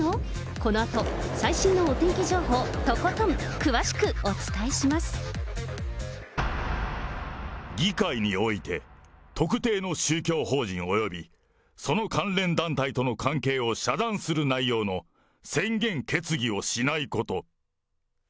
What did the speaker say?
このあと、最新のお天気情報、とことん、議会において、特定の宗教法人および、その関連団体との関係を遮断する内容の宣言・決議をしないこと。